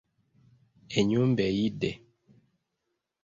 Ennyumba eyidde.